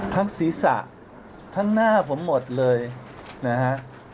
ทั้งศีรษะท่านหน้าผมหมดเลยนะฮะ